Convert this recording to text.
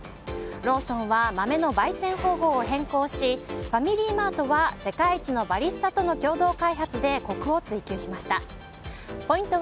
ローソンは豆の焙煎方法を変更しファミリーマートは世界一のバリスタとの共同委開でコクを追求しました。